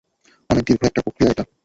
অনেক দীর্ঘ একটা প্রক্রিয়া এটা।